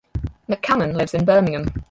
McCammon lives in Birmingham.